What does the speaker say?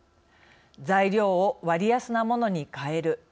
材料を割安なものに替える。